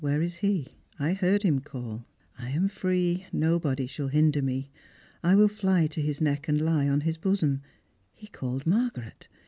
Where is he ? I heard him call. I am free ! Nobody shall hinder me. I will fly to his neck, and lie on his bosom. He called Margaret